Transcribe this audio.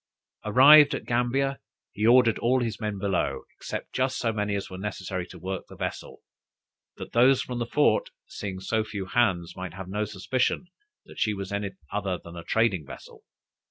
Arrived at Gambia, he ordered all his men below, except just so many as were necessary to work the vessel, that those from the fort, seeing so few hands, might have no suspicion that she was any other than a trading vessel.